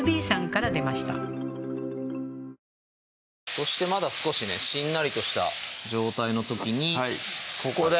そしてまだ少しねしんなりとした状態の時にここで！